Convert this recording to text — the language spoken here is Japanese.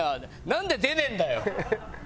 なんで出ねえんだよ！